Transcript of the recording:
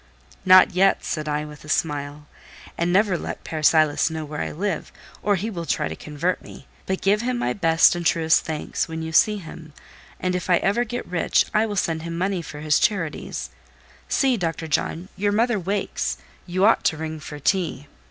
"Not yet," said I, with a smile. "And never let Père Silas know where I live, or he will try to convert me; but give him my best and truest thanks when you see him, and if ever I get rich I will send him money for his charities. See, Dr. John, your mother wakes; you ought to ring for tea."